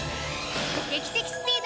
劇的スピード！